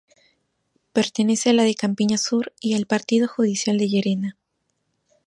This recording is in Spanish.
Pertenece a la de Campiña Sur y al Partido judicial de Llerena.